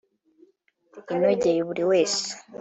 inogeye buri wese